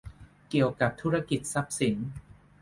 เกี่ยวกับธุรกิจทรัพย์สิน